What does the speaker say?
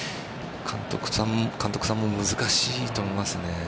監督さんも、難しいと思いますね。